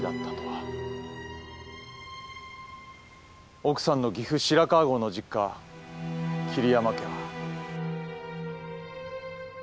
奥さんの岐阜白川郷の実家桐山家は。